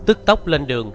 tức tốc lên đường